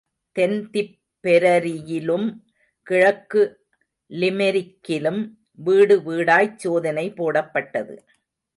தென் திப்பெரரியிலும், கிழக்கு லிமெரிக்கிலும் வீடு வீடாய்ச் சோதனை போடப்பட்டது.